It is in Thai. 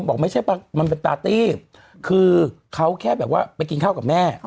บอกไม่ใช่มันเป็นปาร์ตี้คือเขาแค่แบบว่าไปกินข้าวกับแม่